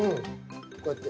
こうやって。